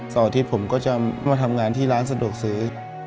อาทิตย์ผมก็จะมาทำงานที่ร้านสะดวกซื้อ